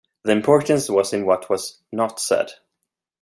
The importance was in what was "not" said.